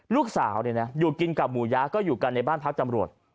ลูกสาวอยู่กินกับหมูยะก็อยู่กันในบ้านพักจำรวจ